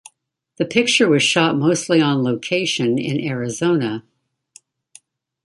The picture was shot mostly on location in Arizona.